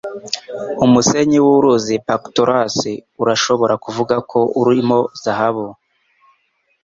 Umusenyi w'Uruzi Pactolus urashobora kuvuga ko urimo zahabu